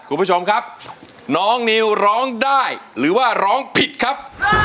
คุณผู้ชมครับน้องนิวร้องได้หรือว่าร้องผิดครับ